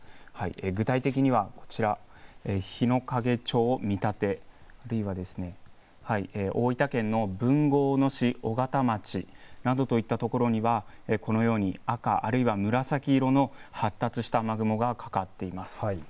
具体的には日之影町見立、大分県の豊後大野市緒方町などといったところにはこのように赤あるいは紫色の発達した雨雲がかかっています。